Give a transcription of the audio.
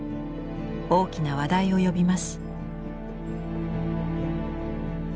大きな話題を呼びます。